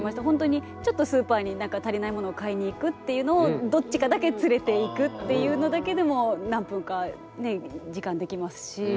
本当にちょっとスーパーになんか足りないものを買いに行くっていうのをどっちかだけ連れていくっていうのだけでも何分かね時間できますし。